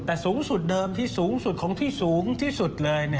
แต่สูงสุดเดิมที่สูงสุดของที่สูงที่สุดเลย